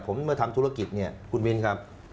ผมเมื่อทำธุรกิจเนี่ยคุณมินครับ